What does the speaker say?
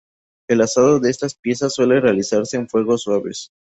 El asado de estas piezas suele realizarse en fuegos suaves.